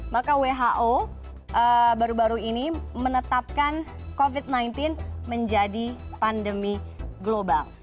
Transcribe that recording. maka who baru baru ini menetapkan covid sembilan belas menjadi pandemi global